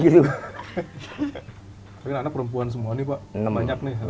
tapi anak perempuan semua nih pak